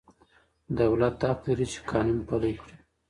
دولت حق لري چي قانون پلي کړي.